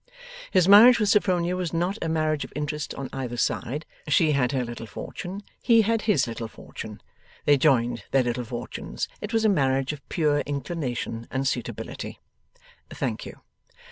His marriage with Sophronia was not a marriage of interest on either side: she had her little fortune, he had his little fortune: they joined their little fortunes: it was a marriage of pure inclination and suitability. Thank you!